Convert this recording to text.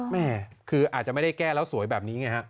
แม่คืออาจจะไม่ได้แก้แล้วสวยแบบนี้ไงฮะ